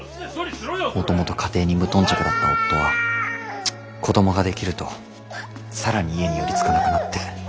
もともと家庭に無頓着だった夫は子供ができると更に家に寄りつかなくなって。